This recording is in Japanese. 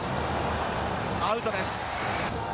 アウトです。